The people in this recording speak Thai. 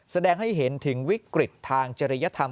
แสดงให้เห็นถึงวิกฤตทางจริยธรรม